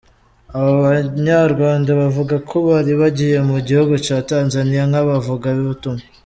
Abo banya Rwanda bavuga ko bari bagiye mu gihugu ca Tanzaniya nk'abavuga butumwa.